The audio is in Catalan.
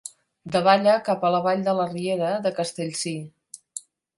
Davalla cap a la vall de la riera de Castellcir.